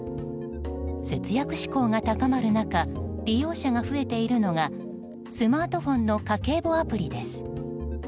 節約志向が高まる中利用者が増えているのはスマートフォンの家計簿アプリです。